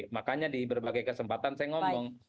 makanya di berbagai kesempatan saya ngomong